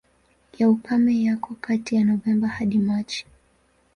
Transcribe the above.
Ya ukame yako kati ya Novemba hadi Machi.